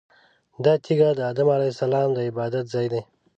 دا تیږه د ادم علیه السلام د عبادت ځای دی.